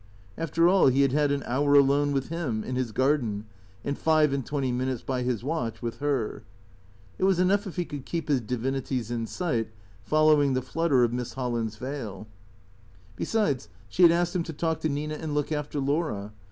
After all, he had had an hour alone with Him, in his garden, and five and twenty minutes by his watch with Her. It was enough if he could keep his divinities in sight, following the flutter of Miss Holland's veil. 75 76 THECEEATOES Besides, she had asked him to talk to Nina and look after Laura.